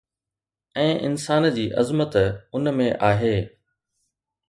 ۽ انسانيت جي عظمت ان ۾ آهي